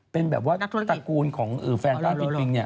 เป็นแบบว่าตากรูลฝ้านปริงปิง